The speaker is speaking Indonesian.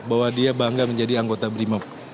bahwa dia bangga menjadi anggota brimob